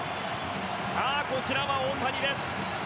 さあ、こちらは大谷です。